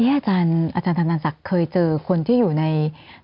อาจารย์ต่างสักเคยเจอคนที่อยู่ใน